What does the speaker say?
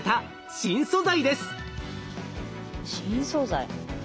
新素材。